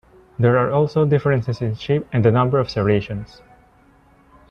There are also differences in shape and the number of serrations.